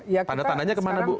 tanda tandanya kemana bu